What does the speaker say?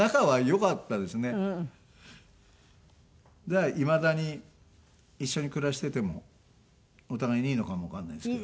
だからいまだに一緒に暮らしててもお互いにいいのかもわかんないですけど。